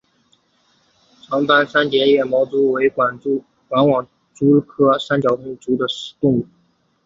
长斑三栉毛蛛为管网蛛科三栉毛蛛属的动物。